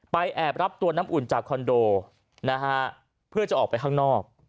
แอบรับตัวน้ำอุ่นจากคอนโดนะฮะเพื่อจะออกไปข้างนอก